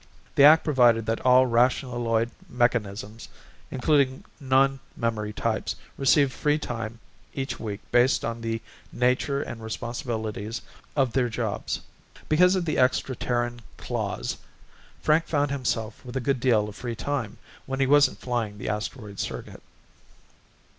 The act provided that all rationaloid mechanisms, including non memory types, receive free time each week based on the nature and responsibilities or their jobs. Because of the extra Terran clause Frank found himself with a good deal of free time when he wasn't flying the asteroid circuit.